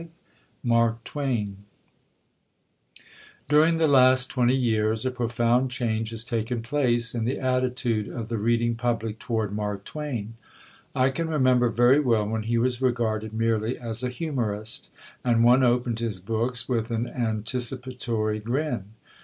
V MARK TWAIN During the last twenty years, a profound change has taken place in the attitude of the reading public toward Mark Twain. I can remember very well when he was regarded merely as a humorist, and one opened his books with an anticipatory grin.